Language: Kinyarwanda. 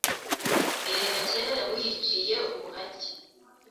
Erega kera wiyiciye ubuhake